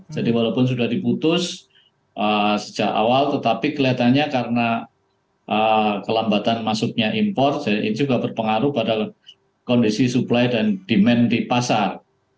jadi walaupun sudah diputus sejak awal tetapi kelihatannya karena kelambatan masuknya impor jadi itu juga berpengaruh pada kondisi supply dan demand di pasar